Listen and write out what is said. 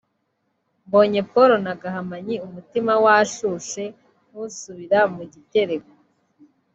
Mbonye Paul na Gahamanyi umutima washushe nk’usubira mu gitereko